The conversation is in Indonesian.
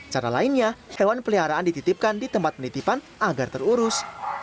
cara lainnya hewan peliharaan dititipkan di tempat penitipan agar terurus